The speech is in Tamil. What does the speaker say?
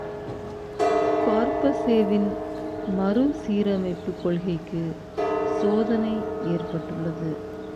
கொர்பசேவின் மறுசீரமைப்புக் கொள்கைக்குச் சோதனை ஏற்பட்டுள்ளது.